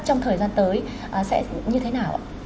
trong thời gian tới sẽ như thế nào